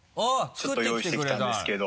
ちょっと用意してきたんですけど。